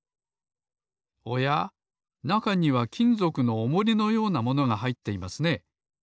おやなかにはきんぞくのおもりのようなものがはいっていますね。